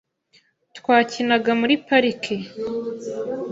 Twakinaga muri parike .